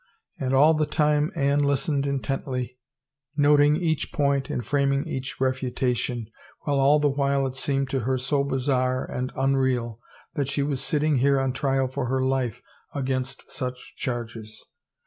And all the time Anne listened in tently, noting each point and framing each refutation, while all the while it seemed to her so bizarre and un real that she was sitting here on trial for her life against such charges.